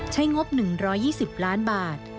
งบ๑๒๐ล้านบาท